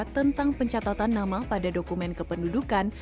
tentang pencatatan nama pada dokumen kependudukan